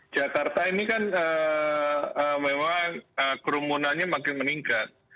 jakarta ini kan memang kerumunannya makin meningkat